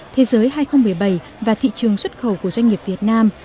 thế giới hai nghìn một mươi bảy và thị trường xuất khẩu của doanh nghiệp việt nam